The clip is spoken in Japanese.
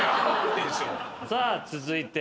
さあ続いて。